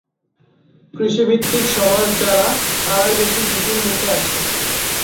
কৃষিভিত্তিক সমাজ যারা তারাই বেশি ঝুঁকির মুখে আছে।